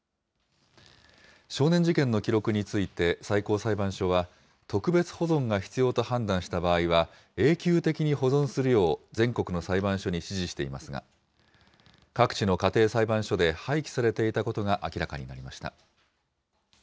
少年事件の記録について、最高裁判所は、特別保存が必要と判断した場合は、永久的に保存するよう、全国の裁判所に指示していますが、各地の家庭裁判所で廃棄されていたことが明らかになりました。